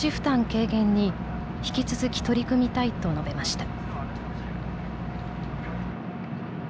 軽減に引き続き、取り組みたいと述べました。